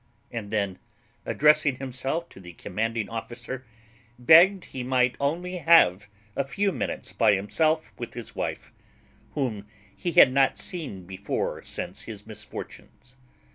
And then, addressing himself to the commanding officer, begged he might only have a few minutes by himself with his wife, whom he had not seen before since his misfortunes.